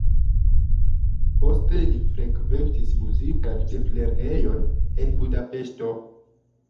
Poste li frekventis muzikan ĉeflernejon en Budapeŝto.